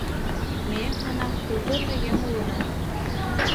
Ме, манам, культурный еҥ улына.